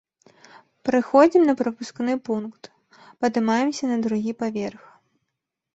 Прыходзім на прапускны пункт, падымаемся на другі паверх.